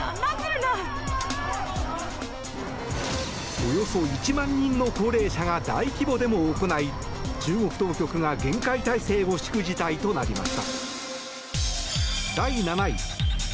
およそ１万人の高齢者が大規模デモを行い中国当局が厳戒態勢を敷く事態となりました。